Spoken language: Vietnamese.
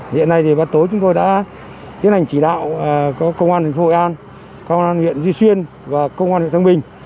hiện nay bắt tối chúng tôi đã tiến hành chỉ đạo công an thành phố hội an công an huyện duy xuyên và công an huyện tân bình